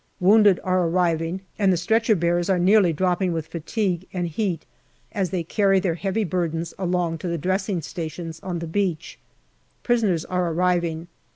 Wounded are arriving, and the stretcher bearers are nearly dropping with fatigue and heat as they carry their heavy burdens along to the dressing stations on the beach. Prisoners are arriving.